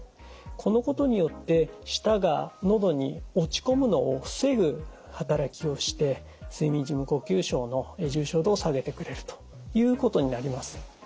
このことによって舌がのどに落ち込むのを防ぐ働きをして睡眠時無呼吸症の重症度を下げてくれるということになります。